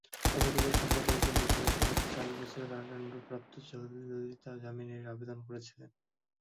অবৈধভাবে সম্পদ অর্জনের দায়ে সম্প্রতি চার বছরের কারাদণ্ডপ্রাপ্ত জয়ললিতা জামিনের আবেদন করেছিলেন।